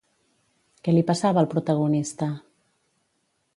Què li passava al protagonista?